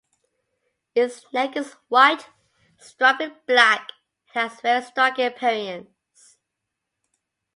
Its neck is white, striped with black and has a very striking appearance.